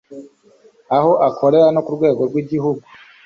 aho akorera, no ku rwego rw'igihugu